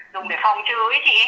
dùng để phòng chứ ý chị